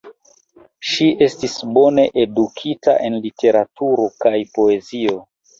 Ŝi estis bone edukita en literaturo kaj poezio.